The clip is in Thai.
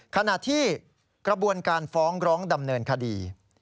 ขณะที่กระบวนการฟ้องร้องดำเนินคดี